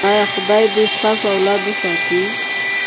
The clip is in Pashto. ایا خدای دې ستاسو اولاد وساتي؟